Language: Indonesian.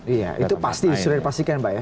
iya itu sudah dipastikan pak ya